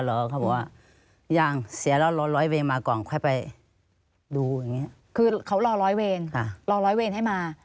รอไอเวียนให้บอกให้รอหมอ